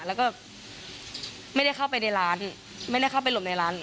แล้วก็ไม่ได้เข้าไปในร้านไม่ได้เข้าไปหลบในร้าน